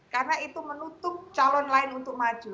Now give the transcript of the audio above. karena itu menutup calon lain untuk maju